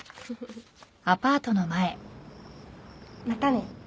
またね。